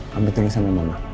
kamu tidur sama mama